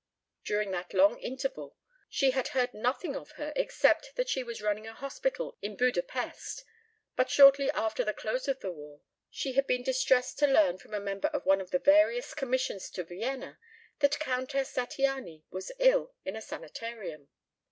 During that long interval she had heard nothing of her except that she was running a hospital in Buda Pesth, but shortly after the close of the war she had been distressed to learn from a member of one of the various commissions to Vienna that Countess Zattiany was ill in a sanitarium.